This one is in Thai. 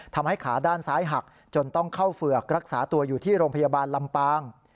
ทำให้ขาด้านซ้ายหักจนต้องเข้าเฝือกรักษาตัวอยู่ที่โรงพยาบาลลำปาง